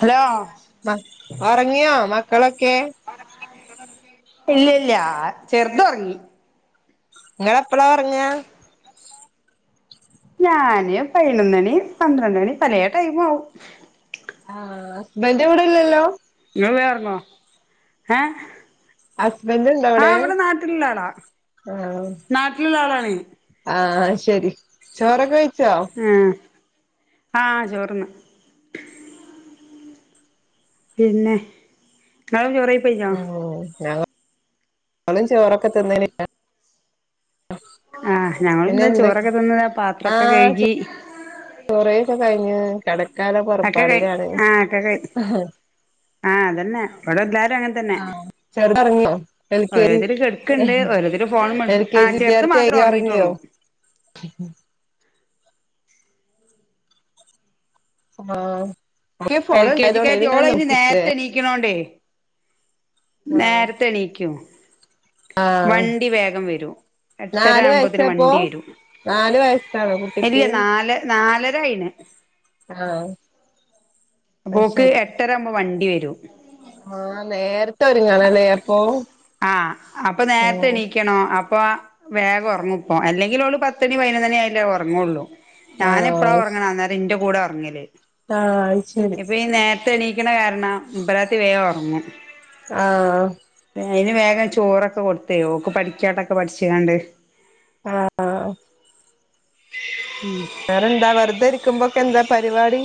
Hello മ ഉറങ്ങിയോ മക്കളൊക്കെ ഇല്ലല്ല ചെർതൊർങ്ങി. ങ്ങളെപ്പളൊർങ്ങ. ഞാന് പയ്നൊന്നണി പന്ത്രണ്ടണി പലേ ടൈമും ആവും. ആ ഹസ്ബന്റിവിടെല്ലല്ലോ. [unintelligible] ഹസ്ബൻഡ് ഇണ്ടോ ആ അവിടെ വടെ നാട്ടില്ള്ളാളാ ആഹ് നാട്ടില്ള്ളാളാണെയ്. ആഹ് ശെരി ചോറൊക്കെ കഴ്ച്ചോ ആഹ് ആഹ് ചോറ്ന്നു. പിന്നെ ങ്ങളൊ ചോറെയ്. ഉം ഞങ്ങ ളും ചോറൊക്കെ തിന്നണ് ആഹ് പിന്നെ ഞങ്ങള് എന്തൊ ചോറൊക്കെ തിന്ന് പാത്രൊക്കെ കഴുകി. കുറേയൊക്കെ കഴിഞ്ഞു കടക്കാല്ലെ ഒക്കെ കഴി പൊറപ്പാടിലാണ്. ആഹ് അതന്നെ ഇവിടെല്ലാരും അങ്ങൻ ആഹ് ചെർതൊർങ്ങിയോ ഓരോരുത്തര് കെടുക്കണ്ട് [unintelligible] ഓരോരുത്തര് ഫോണും വിളിച്ചു. കെ ആ ജി ചെറുത് വിദ്യാർത്ഥി മാത്രമേ ആയില്ലേ ഒർങ്ങിയോ ഉറങ്ങിയിട്ടുള്ളൂ [unintelligible] ഫോണുണ്ടായതോണ്ട് [unintelligible] നോക്കിട്ട് ക്കിണോണ്ടേ ആഹ് നേരത്തെ എണീക്കും ആഹ് വണ്ടി വേഗം വരും എട്ടര നാല് ആകുമ്പോത്തിന് വയസ്സാപ്പൊ വണ്ടി വരും നാല് വയസ്സാണോ കുട്ടിക്ക് ഇല്യ നാല് നാലര ആയിന്നു ആഹ് അത് ഓക്ക് ശരി എട്ടരാവുമ്പോ വണ്ടി വരും ആഹ് നേര്ത്തെ ഒരുങ്ങണല്ലേ അപ്പൊ ആഹ് ക്കണം അപ്പൊ വേഗം ഒർങ്ങുപ്പോ അല്ലെങ്കിലോള് പത്തണി പൈനൊന്നണി ആയ്ട്ടേ ഉറങ്ങുള്ളൂ ഞാനെപ്പളാ ആഹ് ഒർങ്ങ്ണേ അന്നേരം ഇന്റെ കൂടേ ഒർങ്ങല് ആഹ് അത് ശരി ന്നിപ്പ ഈ നേര ത്തെണീക്ക്ണ കാരണം ഇമ്പ്രാത്തി വേം ഒർങ്ങും ആഹ് അയ്ന് വേഗം ചോറൊക്കെ കൊട്ത്തെയ് ഓക്ക് പഠിക്കാല്ലോക്കെ പഠിച്ചാണ്ട് ആഹ് വേറെ ന്താ വെർതെ രിക്കുമ്ബൊക്കെ ന്താ പര്പാടി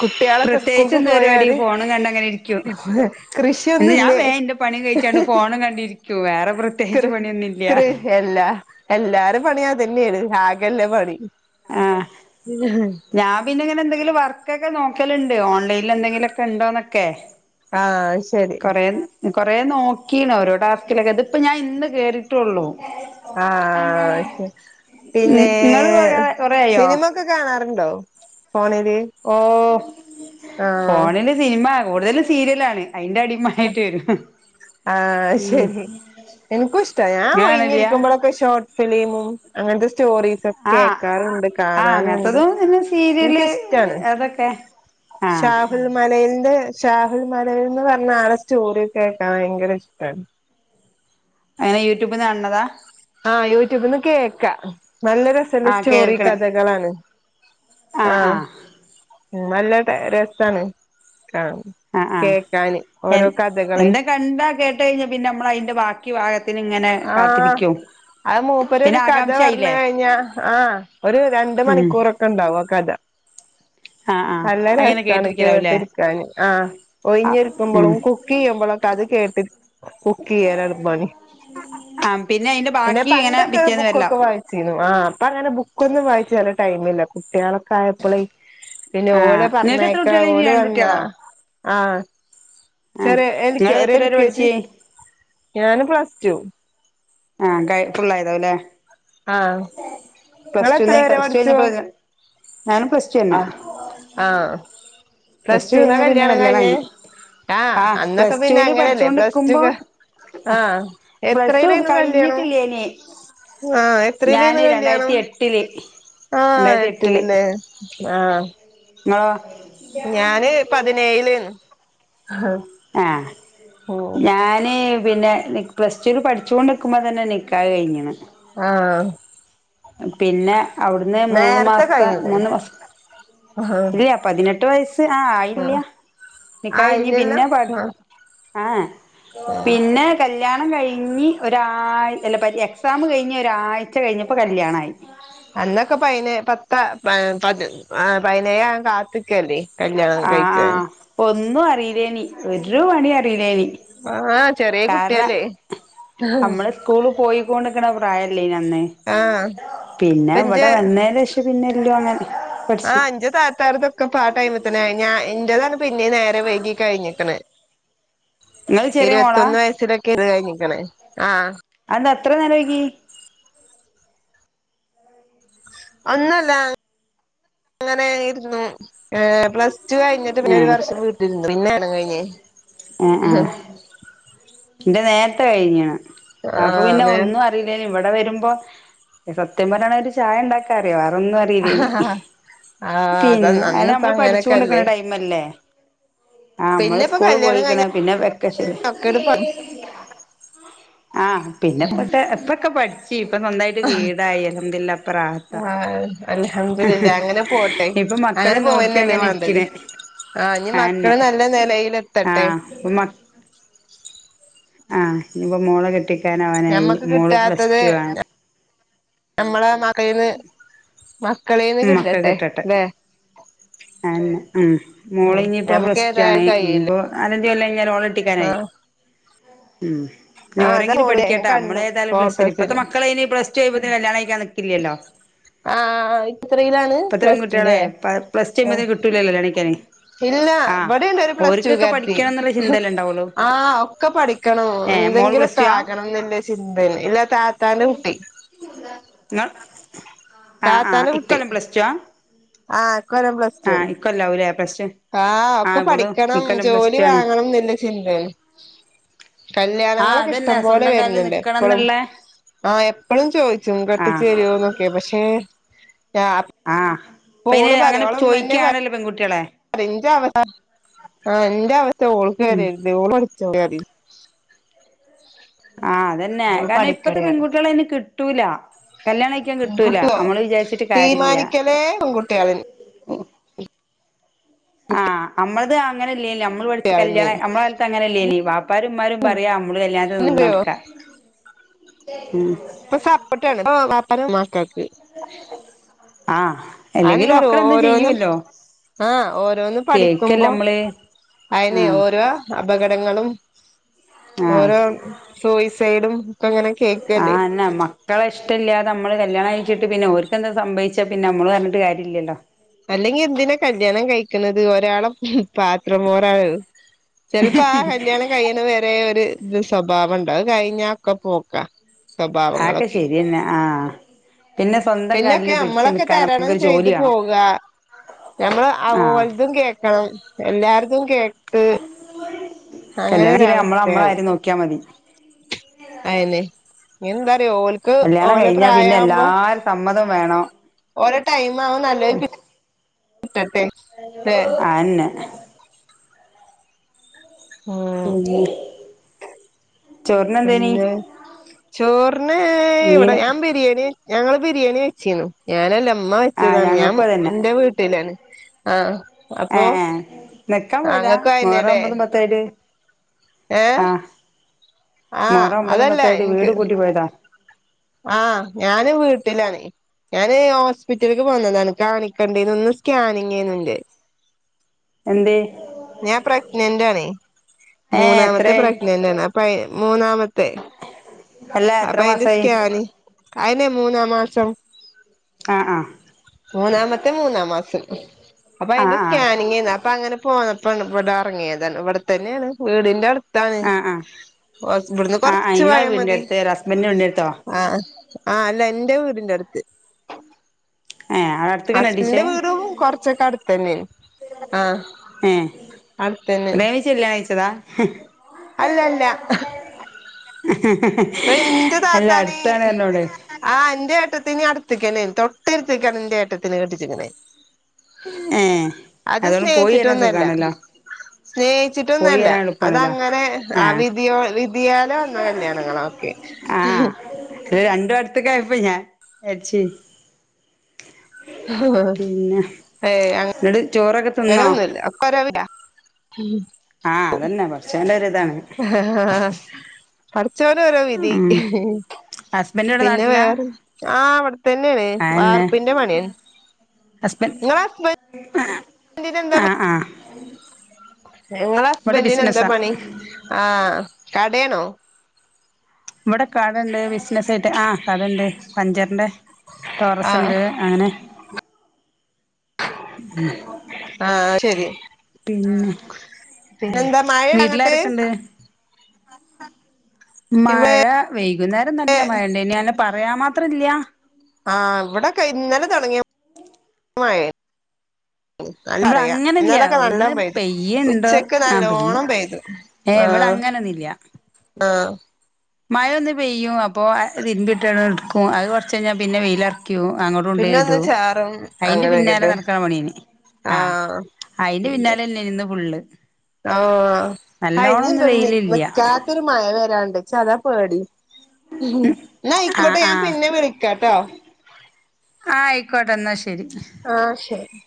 കുട്ട്യാളൊക്കെ പ്രത്യേകിച്ച് സ്കൂൾക്ക് എന്ത് പരിപാടി പോയാല് ഫോണും കണ്ട് അങ്ങനെ ഇരിക്കും ഇന്ന് ഞാൻ കൃഷ്യോന്നുല്ലേ വേം ഇന്റെ പണി കഴിച്ചാണ്ട് ഫോണും കണ്ടിരിക്കൂ വേറെ പ്രത്യേച്ച് പണ്യോന്നുല്ല ഹെ ല്ല എല്ലാരെ പണി അതന്നേണ് ആകല്ലെ പണി ഞാം പിന്നെ ഇങ്ങനെന്തെങ്കിലും വർക്കൊക്കെ നോക്കല്ണ്ട് ഓൺലൈനിലെ ന്തെങ്കിലൊക്കെ ണ്ടോന്നൊക്കെ. ആഹ് ശരി കൊറേ കൊറേ നോക്കീണു ഓരോ ടാസ്കിലൊക്കെ ഇത്പ്പ ഞാൻ ഇന്ന് കേറി ട്ടൊള്ളൂ. ആഹ് ശെരി ശ ഉം പിന്നെ ഇങ്ങള് കൊറേ കൊറേയായോ സിനിമ ക്കെ കാണാറ്ണ്ടോ ഫോണേല്. ഓഹ് ഫോണില് സിനിമ കൂടുതല് സീര്യലാണ് ഐന്റെ അടിമ. ആയിറ്റ് വരും ആഹ് ശെരി ഇൻക്കുഷ്ട്ടാ ഞാൻ ഇങ്ങള് കാണലില്ല ഒഴിഞ്ഞിടരിക്കുമ്പള്ളൊക്കെ ഷോ ഫിലീമും അങ്ങൻത്തെ സ്റ്റോ ഒക്കെ ആഹ് കേക്കാനുണ്ട് ആഹ് കാണാനുണ്ട് അങ്ങനത്തതും പിന്നെ സീരിയല് ഇൻക്കിഷ്ട്ടാണ്. അതൊക്കെ ആഹ് ഷാഹുലും മലയിൽന്റെ ഷാഹുൽ മലയിൽ ന്ന് പറഞ്ഞ ആളെ സ്റ്റോറ്യോക്കെ കേക്കാൻ ഭയങ്കര ഇഷ്ട്ടാ എങ്ങനെ യൂട്യൂബ്ന്ന് കാണ്ണ്താ ആഹ് യൂട്യൂബ്ന്ന് കേക്കാ. നല്ല രസല്ല ആഹ് സ്റ്റോറി കേൾക്കണ് കഥകളാണ്. ആഹ് നല്ല ട്ടേ രസാണ് കാണാം ആഹ് ആഹ് കേക്കാന് എ ഓരോ കഥകള് എന്താ കേട്ടഴിഞ്ഞ പിന്നെ നമ്മളൈന്റെ ബാക്കി ഭാകത്തിന് ങ്ങനെ ആഹ് കാത്തിരിക്കും അത് പിന്നെ മൂപ്പരൊര് കഥ പർഞ്ഞ് ആകാംക്ഷായില്ലേ കൈഞ്ഞാ ആഹ് ഒര് രണ്ട് ഉം മണിക്കൂറ് ക്കെണ്ടാവോ ആ ക്കഥ ആഹ് ആഹ് നല്ല അങ്ങനെ രസാണ് കേട്ട് കേട്ടിരിക്കലാവുല്ലേ ഇര്ക്കാൻ ആഹ് ഉം ഒയ്ഞ്ഞിരിക്കുമ്പളും കുക്കീയ്മ്പളൊക്കെ അത് കേട്ട് കുക്കീയലാണ് പണി ആഹ് പിന്നെ അയ്‌ന്റെ പിന്നെ പണ്ടൊക്കെ ബുക്കൊക്കെ വായിച്ചീന്നു ആഹ് അപ്പങ്ങനെ ബുക്കൊന്നും വായിച്ചാലെ ടൈമില്ല കുട്ട്യാള ക്കആയപ്പളെയ് പിന്നെ ഓലെ ആഹ് നിങ്ങൾക്ക് എത്ര പറഞ്ഞയക്കാ കുട്ടികള് ഓല് രണ്ട് വന്നാ കുട്ടികളോ ആഹ് ആഹ് ചെറ്യേ എനിക്ക് നിങ്ങള് ഒര് എത്ര എൽ വരെ കെ ജി പഠിച്ച് ഞാന് പ്ലസ് റ്റു ആഹ് കയ് ഫുള്ളായത് ലെ ആഹ് പ്ലസ് നിങ്ങള് റ്റൂ എത്ര നെയ്കാ വരെ പ്ലസ് റ്റൂ പഠിച്ചു കഴിഞ്ഞപ്പളെയ് [unintelligible] പ്ലസ് ആഹ് ആഹ് പ്ലസ് ടു റ്റൂ ന്നാ കഴിഞ്ഞ പിന്നെ കല്യാണം കഴിഞ്ഞേ കഴിഞ്ഞ് ആഹ് ആ അന്നൊക്കെ പ്ലസ് പിന്നെ ടുവിൽ അങ്ങനെല്ലേ പ്ലസ് റ്റൂ പഠിച്ചോണ്ടിക്കുമ്പോ ക ആഹ് പ്ലസ് ടു എത്രേലേയ്ന്നു കല്യാണം കഴിഞ്ഞിട്ടില്ലേനി ആഹ് എത്രേലേയ്ന്നു ഞാന് കല്യാണം രണ്ടായിരത്തി എട്ടില് ആഹ് രണ്ടായിരത്തി എട്ട്ല്ല്ലേ ആഹ് ങ്ങളോ ഞാന് പതിനേയിലേയ്ന്നു ആഹ് ഞാന് പിന്നെ നി പ്ലസ് റ്റൂല് പഠിച്ചും കൊണ്ട് ക്കുമ്പോ തന്നെ നിക്കാഹ് കൈഞ്ഞ്ണ് ആഹ് പിന്നെ ഔട്ന്ന് മൂന്ന് നേരത്തെ മാസ്ത്തെ കഴിഞ്ഞുക്കുണു മൂന്ന് മാസം ആഹ് ഇല്ല്യാ പതിനെട്ട് വയസ്സ് ആഹ് ആയില്ല നിക്കാഹ്‌ കൈഞ്ഞ് ആയില്ലല്ലോ പിന്നെ പട് ആഹ് ആഹ് ആഹ് പിന്നെ കല്യാണം കൈഞ്ഞ് ഒരായ് അല്ല എക്സാം കഴിഞ്ഞ് ഒരാഴ്ച കഴിഞ്ഞപ്പോ കല്യാണായി അന്നൊക്കെ പൈനേ പത്ത പ പതിനേഴാം കാത്ത് ക്കല്ലേ ആഹ് കല്യാണം കൈച്ചാന് ആഹ് ഒന്നും അറീലേയ്നി ഒരു പണി അറീലേയ്നി ആഹ് ചെറിയേ കുട്ടിയല്ലേ നമ്മള് സ്കൂള് പോയിക്കൊണ്ടിക്കണ പ്രായല്ലേ അന്ന് ആഹ് പിന്നെ ഇപ്പന്റെ ഇവിടെ വന്നെന് ശേഷം ട്ട് പിന്നെ [unintelligible] ആഹ ന്റെ താത്താറതൊക്ക ഇപ്പ ആ ടൈംതന്നെ അയി ഞാൻ എൻറതാണ് പിന്നെയ നേരെ വൈകി കഴിഞ്ഞിക്കണ് ഇങ്ങള് ചെറിയ മോളാ ഇരുപത്തൊന്ന് വയസിലൊക്കെ ഇത് കഴിഞ്ഞിക്കണ് ആഹ് അത് അത്ര നേരംവയ്ഗി ഒന്നുല്ല അങ്ങനെയിരുന്നു പ്ലസ് ടു കഴിഞ്ഞി പിന്നെ ഒരു ഏഹ് വർഷം വീട്ടിലിരുന്നു പിന്നെയാന്ന് കഴിഞ്ഞെ എന്റെ നേർത്തെ കഴിഞ്ഞു അപ്പൊ ആഹ് പിന്നെ നേ ഒന്നും പിന്നെ ഇവിടെ വരുമ്പോ സത്യം പറയാണെങ്കിൽ ചായ ഇണ്ട കറിയൂ വേറെന്നും അറിയില്ലേനി ആഹ് പിന്നെ അതന്ന് അയ്ന് അന്നിപ്പ അമ്മള് പഠിച്ചേണ്ട്ക്ക്ണ അങ്ങനൊക്കല്ലേ ടൈം മ്മ് ല്ലേ ആഹ് നമ്മള് പിന്നെ ഇപ്പോ സ്കൂള് കല്യാണം പോയിക്കണ കഴിഞ്ഞ പിന്നെ വെക്കഷന് ഒക്കെട് പ ആഹ് പിന്നെ ഇപ്പത്തെ ഇപ്പോക്കെ പഠി പച്ചേ ഇപ്പ സ്വന്തമായിട്ട് വീടായി അൽഹംദുലില്ലാഹ് പ്പ റാഹത്ത ആഹ് അൽഹംദുലില്ലാ അങ്ങനെ പോട്ടെ ഇപ്പ മ അങ്ങനെ ക്കളെ നോക്കി പോവന്നല്ലേ അങ്ങനെ വേണ്ടത് ഇരിക്കണ് ആഹ് ഇനി മക്കള് നല്ല നിലയിൽ എത്തട്ടെ ഉമ്മാ ആഹ് ഇനിപ്പ മോള കെട്ടി ക്കാന അവനായി ഞമ്മക്ക് മോളു കിട്ടാത്തത് പ്ലസ്ടു ആണ് നമ്മളെ മകളിന്ന് മക്കളിന്ന് കിട്ടട്ടെല്ലെ ആയെന്നെ ഉം മോള് ഉം ഇനിയിപ്പോ ഞമ്മക്ക് പ്ലസ് ടു ആണ് ഏതായാലും കഴിയില്ല ഇനിയിപ്പോ നാലഞ്ചു കൊല്ലം കഴിഞ്ഞാല് ഓള കെട്ടിക്കാനായി ആഹ് മ്മ് ഞ് ആഹ് അതാ ഒരെങ്കിലും മോളെ പഠിക്കട്ട ഞാൻ നമ്മള് കണ്ടു ഏതായാലും പ്ലസ് ടു ഇപ്പത്തെ ഫോട്ടോസില് മക്കളായിന് പ്ലസ് ടു ആയുമ്പോത്തിന് കല്യാണം കഴിക്കാൻ നിക്കില്ലലോ ആഹ് എത്രേലാണ് പ്ലസ് പെൺകുട്ടികളെ ടുല്ലേ പ്ലസ് ടു കഴിയുമ്പോതേക്കും കിട്ടൂലലോ ലണിക്കാന് ഇല്ല ഇവിടെ ഇണ്ട് ഒരു പ്ലസ്ടുകാരത്തി പഠിക്കണം എന്നുള്ള ചിന്തല്ലേ ഉണ്ടാവുള്ളൂ ആഹ് ഒക്കെ പഠിക്കണ ഏഹ് മോള് പ്ലസ് എന്തെങ്കിലൊക്കെ ടു ആ ആകണം എന്നുള്ള ചിന്തായാണ് ഇല്ലാ താത്താന്റെ കുട്ടി ങ്ങ ആഹ് ആഹ് താത്താന്റെ കുട്ടി ഇക്കൊല്ലം പ്ലസ് ടു ആ ആഹ് ഇക്കൊല്ലം പ്ലസ്ടു ആഹ് ഇക്കൊല്ലാവൂലേ പ്ലസ് ടു ആഹ് ഒക്കെ ഇവളും പഠിക്കണം ഇക്കൊല്ലം പ്ലസ് ജോലി ടു ആണ് വാങ്ങണം എന്നില്ല ചിന്താണ് ആഹ് കല്യാണങ്ങളൊക്കെ അതന്നെ ഇഷ്ടം പോലെ സ്വന്തം കാലിൽ വരുന്ണ്ട് നിക്കണം എപ്പളും എന്നുള്ള ആഹ് എപ്പഴും ചോയിച്ചും ആഹ് കെട്ടിചെരോനൊക്കെ പശേ ഞ ആഹ് ഇപ്പയിന് അങ്ങനെ ചോയിക്കയാണല്ലോ പെൺ കുട്ടിയോളെ അല്ല ന്റെ അവസ്ഥ ആഹ് ഇന്റെ അവസ്ഥ ഓൾക്ക് ഉം വരരുത് ഓൾ പഠിച്ചോട്ടെ പരിയ് ആഹ് അതന്നെ ഓള് കാരണം ഇപ്പത്തെ പഠിക്കട്ടെ പറയും പെൺകുട്ടിആളെ അയിന് കിട്ടൂല കല്യാണം കഴിക്കാൻ കിട്ടൂല കിട്ടുവോ അമ്മള് വിചാരിച്ചിട്ട് കാര്യയില്യ തീരുമാനിക്കലേ പെൺകുട്ടികള് ആഹ് അമ്മളത് അങ്ങനെ ഇല്ലേനില്ലോ അമ്മള് പഠിച്ച കുട്ടികളെന്നെയാണ് കല്യാണം നമ്മള കാലത്ത് അങ്ങനെ ഇല്ലേല്ലീ പ്പറും ഉമ്മാരും പറയാ അമ്മള് കല്യാണത്തിന് യോ നിന്നൊടുക്ക ഉമ് ഇപ്പ സപ്പോർട്ട് ആണ് വാപ്പര് മക്കൾക്ക് ആഹ് അല്ലെങ്കിലും അതെന്താറിയോ മക്കളെന്തും ഓരോന്നും ചെയ്യുവല്ലോ ആഹ് ഓരോന്നും കേക്കല്ലേ പഠിക്കുമ്പോ നമ്മള് അയിന് ആഹ് ഓരോ അപകടങ്ങളും ആഹ് ഓരോ സൂയിസൈഡും ഒക്കെ ഇങ്ങനെ ആഹ് കേക്കല്ലേ അയിനമ്മ ക്കളെ ഇഷ്ടല്ലതെ നമ്മള് കല്യാണം കഴച്ചിട്ട് പിന്നെയോർക്കെന്തേ സംഭവിച്ചാ പിന്ന നമ്മള് പറഞ്ഞിട്ട് കാര്യയില്ലലോ അല്ലെങ്കി എന്തിനാ കല്യാണം കഴിക്കണത് ഒരാളെ ഹും പാത്രം മോറാനോ ചെലപ്പോ ആ കല്യാണം കഴിയണ വരെ ഒരു സ്വഭാവുണ്ട് അത് കഴിഞ്ഞ ഒക്കെ പോക്കാ അയൊക്ക സ്വഭാവങ്ങളൊക്കെ ശെരിയന്നെ ആഹ് പിന്നെ സ്വന്തം പിന്നൊക്കെ കാലില് പിടിച്ച് അമ്മളൊക്കെ നിക്കാൻ തരണം നമുക്കൊരു ചെയ്തു ജോലി വേണം പോക ഞമ്മള് ആഹ് അഓലതും കേക്കണം എല്ലാർതും കേട്ട് അങ്ങനെ കല്യാണചിലെ അമ്മള് അമ്മളെ ഒരവസ്ഥയാവും കാര്യം നോക്കിയാ മതി. അയന്നെ. ഞ്ഞെന്താറിയോ ഓൽക്ക് കല്യാണം ഓല കഴിഞ്ഞാ പിന്നെ പ്രായാമ്പോ. എല്ലാരെ സമ്മതം വേണം ഓരേ ടൈം ആവും നല്ലെത് കിട്ടട്ടെ. ല്ലേ ആന്നെ പിന്നെ മ്മ് ചോറിനെന്തേനി പിന്നെ ചോറിന്. ഇവെടെ മീന് ഞാൻ ബിരിയാണി. ഞങ്ങെള് ബിരിയാണി വെച്ചേന്ന്. ഞാനല്ല, ഉമ്മ ആഹ് വെച്ചതാണ്. ഞാൻ ഞങ്ങക്കും അതന്നെ ന്റെ വീട്ടിലാണ്. ആഹ് അപ്പോ നെക്കാൻ പോയതാ. മുറം ഒമ്പതും പത്ത്‌യിട്ട് ഏഹ് ആഹ് മുഅറം ഒമ്പതും അതല്ല പത്തുആയിട്ട് എനിക്ക് വീട് കൂട്ടി പോയതാ. ആഹ് ഞാനും വീട്ടിലാണേ ഞാന് ഹോസ്പിറ്റലിക്ക് പോന്നതാണ്. കാണിക്കണ്ടയിന്ന് ഇന്ന് സ്കാനിങ്ങേണ്ന്റെ. എന്തേ? ഞാൻ പ്രഗ്നന്റാണേ. ഏഹ് മൂന്നാമത്തെ എത്രയായി പ്രഗ്നന്റാണ്. അപ്പയ് മൂന്നാമ ത്തെ. അല്ല എത്ര അപ്പൊ അയിന്റെ മാസായി സ്കാനിംഗ് അയിനാ മൂന്നാം മാസം. ആഹ് ആഹ് മൂന്നാമത്തെ മൂന്നാം മാസം. അപ്പൊ അതിന്റെ ആഹ് ആഹ് സ്കാനിങ്ങാന്നു അപ്പൊ അങ്ങനെ പോയ പ്പ ഇവെടെ എറങ്ങിയതാണ് ഇവെടെത്തന്നെയാണ് വീടിന്റെ അടു ത്താണ് ആഹ് ആഹ് ഇവെടെന്ന് ആഹ് ആഹ് കൊറെച്ച് ഇങ്ങളെ പോയാ വീടിന്റെ മതി. അടുത്ത് ഹസ്ബൻഡിന്റെ വീടിന്റെ അടുത്തോ ആഹ് ആ അല്ല എന്റെ വീടിന്റെടുത്ത്. ഏ. ഹസ്ബൻഡിന്റെ വീടും കൊറെച്ചെക്കെ അടുത്ത് തന്നെയാ ആഹ് അടുത്തേന് ത്തിലാ കഴിച്ചതാ? അല്ലല്ല. എല്ല അടുത്താണ് എന്നോട് ആഹ് എന്റെ ഏട്ടത്തിനേ അടുത്തിക്കന് തൊട്ടടുത്തേക്കാന് എന്റെ ഏട്ടത്തിനേ കെട്ടിച്ചേക്കുന്നെ. ഏഹ് അത് അതുകൊണ്ട് പോയി വരാൻ സ്നേഹിച്ചിട്ടൊന്നല്ല. സുഖാണല്ലോ പോയി സ്നേഹിച്ചിട്ടൊന്നല്ല വരാൻ എളുപ്പാണല്ലോ അതെങ്ങനെ ആ ആഹ് വിധിയോ വിധിയാലേ വെന്ന കല്യാണങ്ങള ആഹ് ക്ക് രണ്ടു അടുത്തേക്കായിപ്പോയ് ഞാ അച്ച്. ഏയ് എന്നിട്ട് ചോറൊക്കെ തിന്നോ അങ്ങനൊന്നുല്ല അവെക്കൊരവിയാ. ഉം ആഹ് അതന്നെ പടച്ചേന്റെ ഒര് ഇതാണ്. ആ പടച്ചോന്റെ ഓരോ വിധി. ഉം ഹസ്ബൻഡ് ഇവിടെ പിന്നെ നാട്ടിലാ വേറ് ആ അവിടെത്ത തന്നെയണ് വാർപ്പിന്റെ പണിയാണ്. ഹസ്ബെൻ നിങ്ങളെ ഹസ്ബൻഡിന് ആഹ് ആഹ് നിങ്ങെളെ ഇവിടെ ഹസ്ബൻഡിന് എന്താ ബിസിനസ്സാ പണി ആ കടയണോ? ഇവെടെ കടണ്ട് ബിസിനസായിട്ട് ആ കടണ്ട് പഞ്ചറിന്റെ. ആഹ് ടോറസ്ണ്ട് അങ്ങനെ ഉം. ആഹ് ശരി പിന്നെന്താ മഴേയങ്ങട്ട്. വീട്ടിലാരൊക്കെണ്ട് ഇവിടെ മഴ വെയ്കുന്നേരം നല്ല മഴ ഒണ്ടനി അന്നെ പറയാൻ മാത്രയില്യാ. ആ ഇവെടെക്കെ ഇന്നലെ തൊടങ്ങിയ മഴേയാ ഇവിടെ കണ്ടെറിയാം അങ്ങനില്ല ഇന്നലൊക്കെ ഒന്ന് നല്ലോം പെയ്തു പെയ്യുണ്ടോ ഉച്ചെക്ക് ആ പെയ്യ് നല്ലോണം പെയ്തു. ഏ ഇവെടെ ആഹ് അങ്ങനൊന്നുയില്യാ. ആഹ് മഴയൊന്ന് പെയ്യും അപ്പോ ഇൻതിട്ടങ്ങോടെടുക്കും അത് കൊറെച്ച് കഴിഞ്ഞാൽ പിന്നെ വെയിലാറ ക്കും അങ്ങോട്ടും കൊണ്ടേ പിന്നെ ഇടു ഒന്ന് ചാറും അതിന്റെ പിന്നാലെ അങ്ങനെയൊക്കെല്ലേ നടക്കണ പണീന്. ആഹ് അയിന്റെ പിന്നാലേല്ലേ ഇന്ന് ഫുള്ള്. ആഹ് നല്ലോണൊന്നു വെയിലില്യാ ക്കൊരു മയവരാണ്ട് ച്ചതാ പേടി ആ ന്നായിക്കോട്ടെ ഞാൻ ആ പിന്നെ വിളി കട്ടോ ആയിക്കോട്ടെ എന്നാ ശരി ആഹ് ശരി